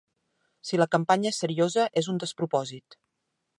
Si la campanya és seriosa és un despropòsit.